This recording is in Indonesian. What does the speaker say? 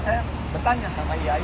saya bertanya sama dia